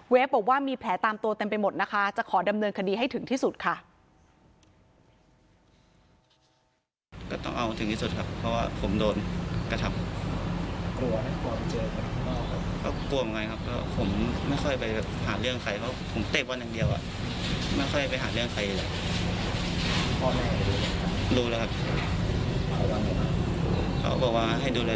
บอกว่ามีแผลตามตัวเต็มไปหมดนะคะจะขอดำเนินคดีให้ถึงที่สุดค่ะ